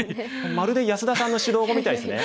まるで安田さんの指導碁みたいですね。